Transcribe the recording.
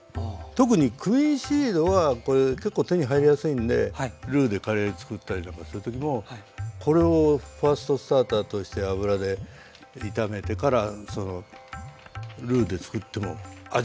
特にクミンシードはこれ結構手に入りやすいんでルーでカレーつくったりとかする時もこれをファーストスターターとして油で炒めてからそのルーでつくっても味がまた変わります。